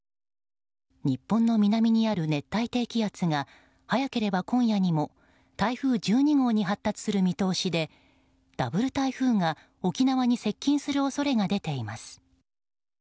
日本の南にある熱帯低気圧が早ければ今夜にも台風１２号に発達する見通しでダブル台風が沖縄に接近する恐れが出ています。